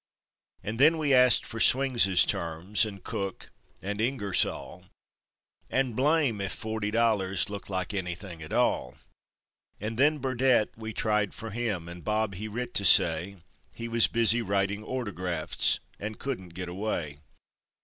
And then we ast fer Swingses terms; and Cook, and Ingersoll And blame! ef forty dollars looked like anything at all! And then Burdette, we tried fer him; and Bob he writ to say He wus busy writin' ortographts, and couldn't git away.